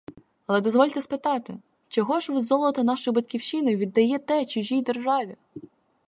Але дозвольте спитати: чого ж ви золото вашої батьківщини віддаєте чужій державі?